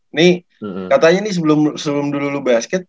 ini katanya nih sebelum dulu lu basket